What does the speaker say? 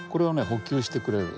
補給してくれる。